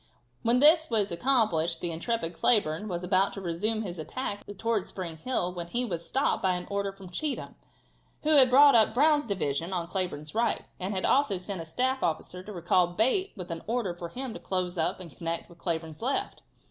When this was accomplished the intrepid Cleburne was about to resume his attack towards Spring Hill when he was stopped by an order from Cheatham, who had brought up Brown's division on Cleburne's right, and had also sent a staff officer to recall Bate with an order for him to close up and connect with Cleburne's left.